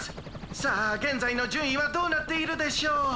さあげんざいのじゅんいはどうなっているでしょう？